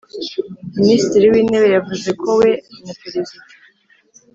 Minisitiri w’intebe yavuze ko we na perezida